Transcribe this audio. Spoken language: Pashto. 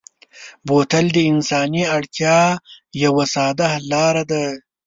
بوتل د انساني اړتیا یوه ساده حل لاره ده.